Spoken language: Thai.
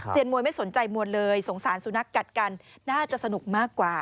มวยไม่สนใจมวลเลยสงสารสุนัขกัดกันน่าจะสนุกมากกว่า